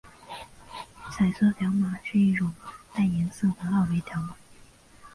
彩色条码是一种带颜色的二维条码。